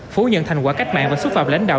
phủ nhận thành quả cách mạng và xúc phạm lãnh đạo